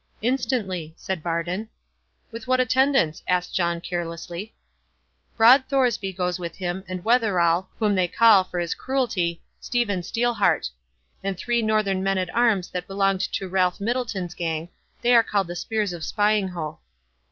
"Instantly," said Bardon. "With what attendance?" asked John, carelessly. "Broad Thoresby goes with him, and Wetheral, whom they call, for his cruelty, Stephen Steel heart; and three northern men at arms that belonged to Ralph Middleton's gang—they are called the Spears of Spyinghow."